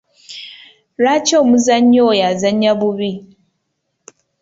Lwaki omuzannyi oyo azannya bubi?